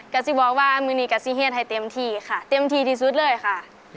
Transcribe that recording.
ซิบอกว่ามือนี้กะซีเฮียดให้เต็มที่ค่ะเต็มที่ที่สุดเลยค่ะ